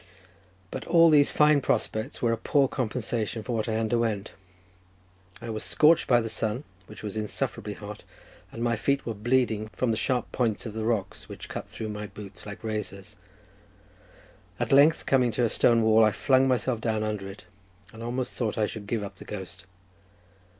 But all these fine prospects were a poor compensation for what I underwent: I was scorched by the sun, which was insufferably hot, and my feet were bleeding from the sharp points of the rocks, which cut through my boots like razors. At length, coming to a stone wall, I flung myself down under it, and almost thought that I should give up the ghost.